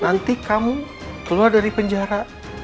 nanti kamu keluar dari penjara